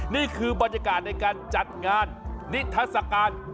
นี่คือบรรยากาศในการจัดงานนิทัศกาล